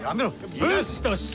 武士として。